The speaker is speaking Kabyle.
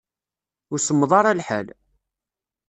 Ur semmeḍ ara lḥal.